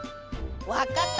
わかった！